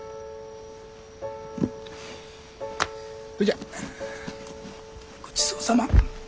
それじゃごちそうさま。